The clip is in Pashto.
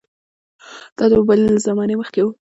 دا د موبایلونو له زمانې مخکې وو.